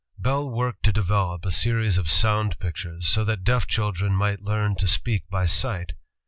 Bell worked to develop a series of sound pictures, so that deaf children might learn to speak by sight.